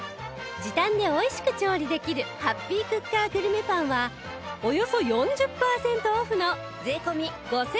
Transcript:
時短で美味しく調理できるハッピークッカーグルメパンはおよそ４０パーセントオフの税込５９８０円